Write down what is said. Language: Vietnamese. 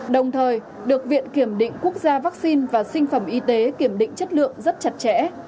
đồng thời được viện kiểm định quốc gia vaccine và sinh phẩm y tế kiểm định chất lượng rất chặt chẽ